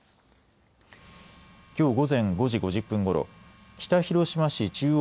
きょう午前５時５０分ごろ北広島市中央２